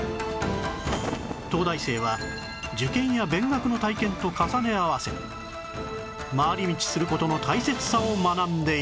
東大生は受験や勉学の体験と重ね合わせ回り道する事の大切さを学んでいた